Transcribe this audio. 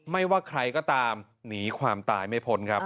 ไม่ว่าใครก็ตามหนีความตายไม่พ้นครับ